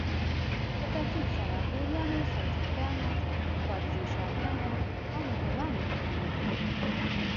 په ترتیب سره غوریانو، سلجوقیانو، خوارزمشاهیانو او مغولانو حکومت وکړ.